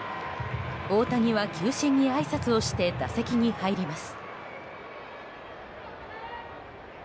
大谷は球審にあいさつをして打席に入ります。